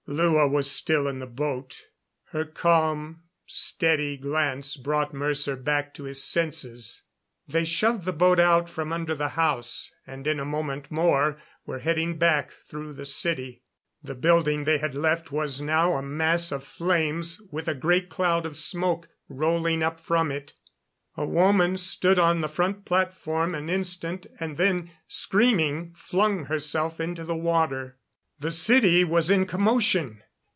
Lua was still in the boat. Her calm, steady glance brought Mercer back to his senses. They shoved the boat out from under the house, and in a moment more were heading back through the city. The building they had left was now a mass of flames, with a great cloud of smoke, rolling up from it. A woman stood on the front platform an instant, and then, screaming, flung herself into the water. The city was in commotion.